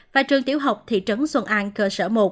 và trường tiểu học thị trấn xuân an cơ sở một